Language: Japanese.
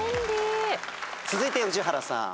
続いて宇治原さん。